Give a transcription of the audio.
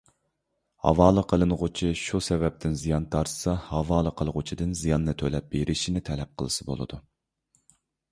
ھاۋالە قىلىنغۇچى شۇ سەۋەبتىن زىيان تارتسا، ھاۋالە قىلغۇچىدىن زىياننى تۆلەپ بېرىشنى تەلەپ قىلسا بولىدۇ.